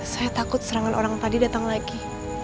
saya takut serangan orang tadi datang lagi